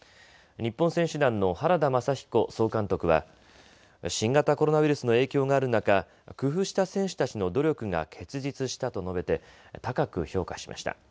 日本選手団の原田雅彦総監督は新型コロナウイルスの影響がある中、工夫した選手たちの努力が結実したと述べて高く評価しました。